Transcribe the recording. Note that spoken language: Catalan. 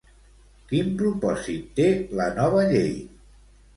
Quin propòsit té la nova llei?